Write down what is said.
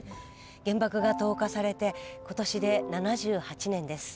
原爆が投下されて今年で７８年です。